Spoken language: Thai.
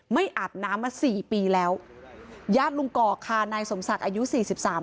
อาบน้ำมาสี่ปีแล้วญาติลุงกอกค่ะนายสมศักดิ์อายุสี่สิบสาม